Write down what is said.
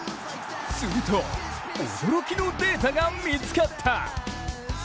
すると、驚きのデータが見つかった。